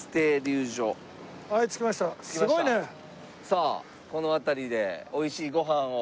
さあこの辺りで美味しいご飯を。